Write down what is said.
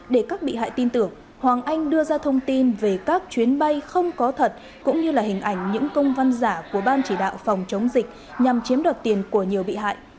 để các bị hại tin tưởng hoàng anh đưa ra thông tin về các chuyến bay không có thật cũng như là hình ảnh những công văn giả của ban chỉ đạo phòng chống dịch nhằm chiếm đoạt tiền của nhiều bị hại